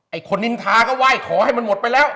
คนนินทาก็ไหว้ขอให้มันหมดไปแล้ว